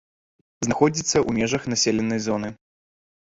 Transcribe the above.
Знаходзіцца ў межах населенай зоны.